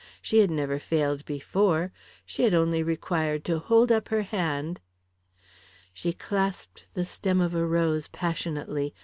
She had never failed before, she had only required to hold up her hand. ... She clasped the stem of a rose passionately.